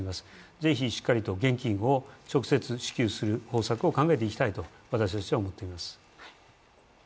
ぜひしっかりと現金を直接支給する方策を考えていきたいと私たちは思っています。